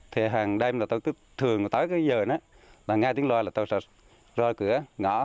thì hàng đêm là tôi thường tới giờ nghe tiếng loa là tôi sợi cửa ngõ